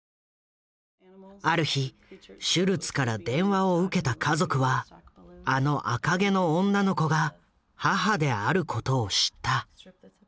ある日シュルツから電話を受けた家族はあの赤毛の女の子が母であることを知った。